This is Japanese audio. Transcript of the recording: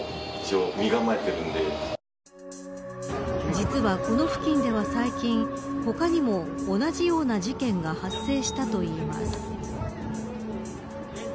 実はこの付近では最近他にも、同じような事件が発生したといいます。